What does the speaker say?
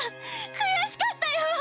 悔しかったよ！